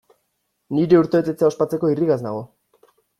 Nire urtebetetzea ospatzeko irrikaz nago!